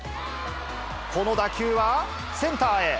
この打球はセンターへ。